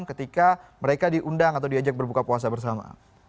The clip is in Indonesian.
ketika mereka diundang atau diajak berbuka puasa bersama